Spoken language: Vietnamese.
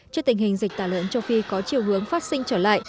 trước tình hình dịch tả lợn châu phi có chiều hướng phát sinh trở lại